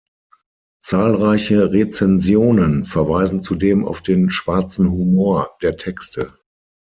Zahlreiche Rezensionen verweisen zudem auf den „schwarzen Humor“ der Texte.